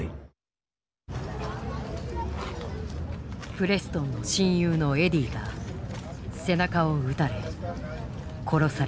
プレストンの親友のエディが背中を撃たれ殺された。